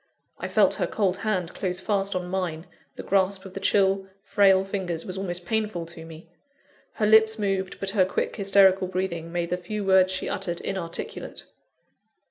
I felt her cold hand close fast on mine; the grasp of the chill, frail fingers was almost painful to me. Her lips moved, but her quick, hysterical breathing made the few words she uttered inarticulate.